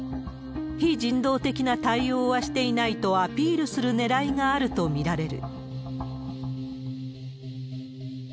非人道的な対応はしていないとアピールするねらいがあると見られる。